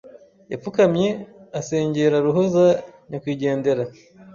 Yapfukamye asengera roho za nyakwigendera.